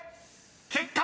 ［結果